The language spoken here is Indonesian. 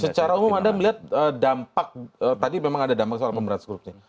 secara umum anda melihat dampak tadi memang ada dampak soal pemberantasan korupsi